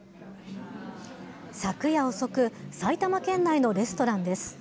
昨夜遅く、埼玉県内のレストランです。